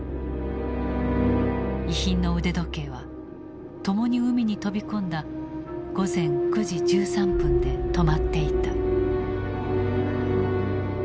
遺品の腕時計は共に海に飛び込んだ午前９時１３分で止まっていた。